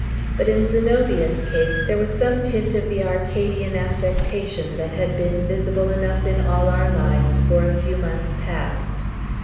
But in Zenobia's case there was some tint of the Arcadian affectation that had been visible enough in all our lives for a few months past.